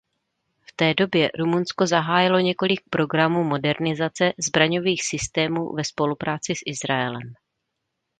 V té době Rumunsko zahájilo několik programů modernizace zbraňových systémů ve spolupráci s Izraelem.